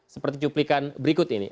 seperti cuplikan berikut ini